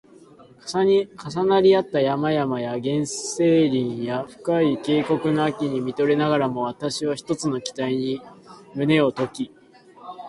重なり合った山々や原生林や深い渓谷の秋に見とれながらも、わたしは一つの期待に胸をとき